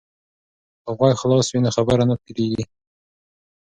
که غوږ خلاص وي نو خبره نه تیریږي.